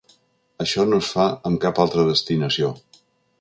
Això no es fa amb cap altra destinació.